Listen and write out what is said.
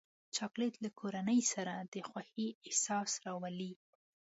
چاکلېټ له کورنۍ سره د خوښۍ احساس راولي.